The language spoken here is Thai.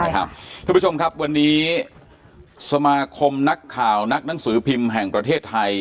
คุณผู้ชมครับวันนี้สมาคมนักข่าวนักหนังสือพิมพ์แห่งประเทศไทย